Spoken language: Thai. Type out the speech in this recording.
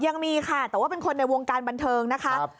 ยังมีค่ะแต่ว่าเป็นคนในวงการบันเทิงนะคะ